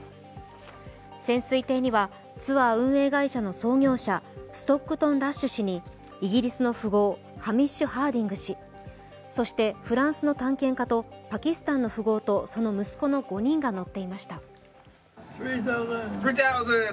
潜水艇には、ツアー運営会社の創業者、ストックトン・ラッシュ氏にイギリスの富豪、ハミッシュ・ハーディング氏、そしてフランスの探検家とパキスタンの富豪とその息子の５人が乗っていました。